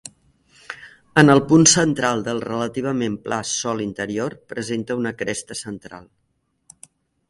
En el punt central del relativament pla sòl interior presenta una cresta central.